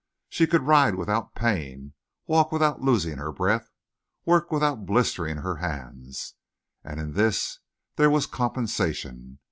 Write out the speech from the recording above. She could ride without pain, walk without losing her breath, work without blistering her hands; and in this there was compensation.